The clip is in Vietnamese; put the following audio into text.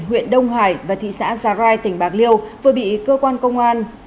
huyện đông hải và thị xã già rai tỉnh bạc liêu vừa bị cơ quan công an